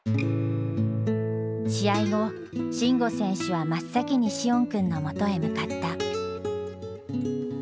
試合後慎吾選手は真っ先に詩音くんのもとへ向かった。